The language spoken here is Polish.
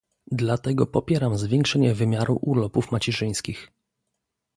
Dlatego popieram zwiększenie wymiaru urlopów macierzyńskich